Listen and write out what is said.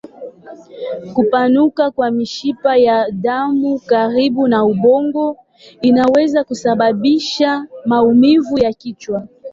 Kupanuka kwa mishipa ya damu karibu na ubongo inaweza kusababisha maumivu ya kichwa.